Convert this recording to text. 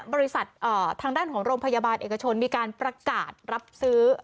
บริษัททางด้านของโรงพยาบาลเอกชนมีการประกาศรับซื้อ